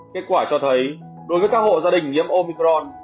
kết quả cho thấy đối với các hộ gia đình nhiễm omicron